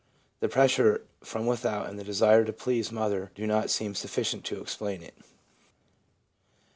The pressure from without and the desire to please mother do not seem sufficient to explain it/ M.